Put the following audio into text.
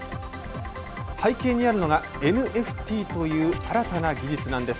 背景にあるのが、ＮＦＴという新たな技術なんです。